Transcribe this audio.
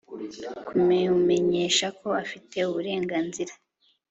kumumenyesha ko afite uburenganzira